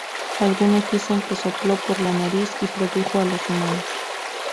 Algunos dicen que sopló por la nariz y produjo a los humanos.